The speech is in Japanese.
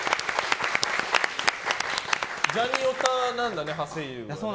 ジャニオタなんだね、はせゆう。